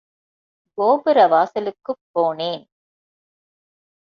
கோபுர வாசலுக்குப் போனேன்.